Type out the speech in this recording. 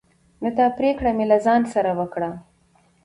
نو دا پريکړه مې له ځان سره وکړه